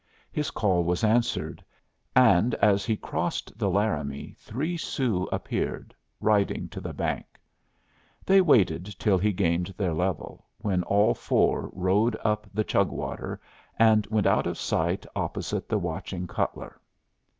His call was answered, and as he crossed the Laramie, three Sioux appeared, riding to the bank. They waited till he gained their level, when all four rode up the Chug Water, and went out of sight opposite the watching Cutler.